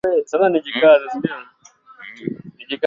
watu walisema ngono inaweza kutibu ugonjwa wa ukimwi